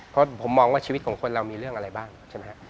เพราะผมมองว่าชีวิตของคนเรามีเรื่องอะไรบ้างใช่ไหมฮะ